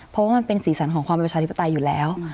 เพราะว่ามันเป็นสีสันของความเป็นประชาธิปไตยอยู่แล้ว